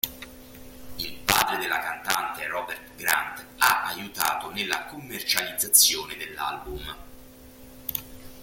Il padre della cantante, Robert Grant, ha aiutato nella commercializzazione dell'album.